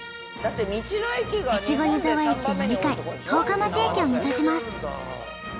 越後湯沢駅で乗り換え十日町駅を目指します。